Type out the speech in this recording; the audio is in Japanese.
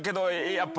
やっぱ